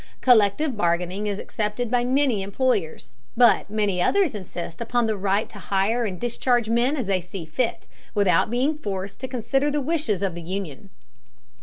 Collective bargaining is accepted by many employers, but many others insist upon the right to hire and discharge men as they see fit, without being forced to consider the wishes of the union.